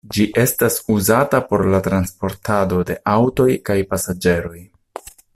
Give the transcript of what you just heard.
Ĝi estas uzata por la transportado de aŭtoj kaj pasaĝeroj.